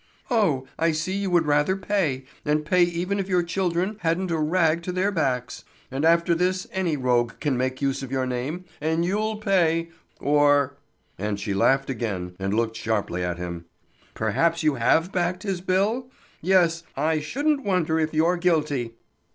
"Oh, I see you would rather pay, and pay even if your children hadn't a rag to their backs! And after this any rogue can make use of your name, and you'll pay! Or" and she laughed again, and looked sharply at him "perhaps you have backed his bill? Yes, I shouldn't wonder if you're guilty."